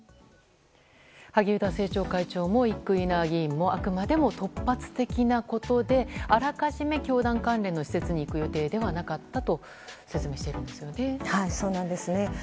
萩生田政調会長も生稲議員もあくまでも突発的なことであらかじめ教団関連の施設に行く予定ではなかったと説明しているんですよね。